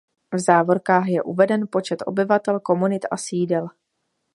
V závorkách je uveden počet obyvatel komunit a sídel.